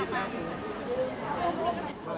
ไม่ว่ามันออกมาหรอ